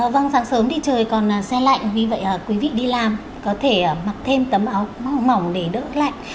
vâng sáng sớm thì trời còn xe lạnh vì vậy quý vị đi làm có thể mặc thêm tấm mỏng để đỡ lạnh